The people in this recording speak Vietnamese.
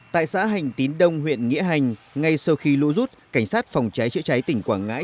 tại xã hành tín đông huyện nghĩa hành ngay sau khi lũ rút cảnh sát phòng cháy chữa cháy tỉnh quảng ngãi